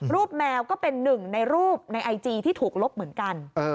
แมวก็เป็นหนึ่งในรูปในไอจีที่ถูกลบเหมือนกัน